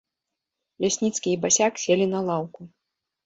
Лясніцкі і басяк селі на лаўку.